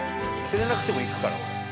釣れなくても行くから。